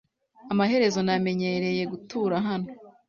Amaherezo namenyereye gutura hano.